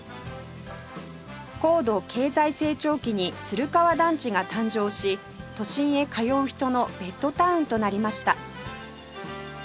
高度経済成長期に鶴川団地が誕生し都心へ通う人のベッドタウンとなりました